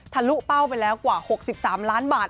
ลุเป้าไปแล้วกว่า๖๓ล้านบาท